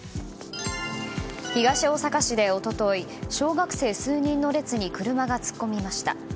東大阪市で一昨日小学生数人の列に車が突っ込みました。